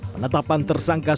penetapan tersangka syahrul